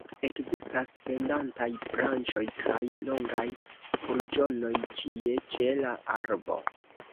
Ekzistas pendantaj branĉoj kaj longaj burĝonoj ĉie ĉe la arbo.